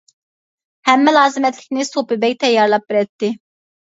ھەممە لازىمەتلىكنى سوپى بەگ تەييارلاپ بېرەتتى.